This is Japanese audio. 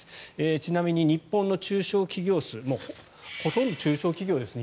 ちなみに日本の中小企業数日本はほとんど中小企業です。